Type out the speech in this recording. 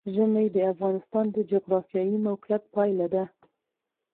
ژمی د افغانستان د جغرافیایي موقیعت پایله ده.